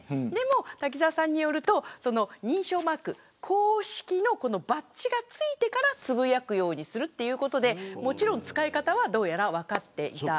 滝沢さんによると認証マーク公式のバッジが付いてからつぶやくようにするということで使い方はどうやら分かっていた。